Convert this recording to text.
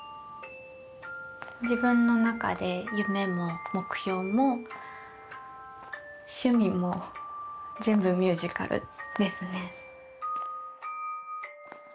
自分の中で夢も目標も趣味も全部ミュージカルですね。